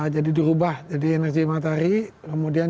jadi dirubah jadi energi matahari kemudian